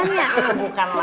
bukan lah makan deh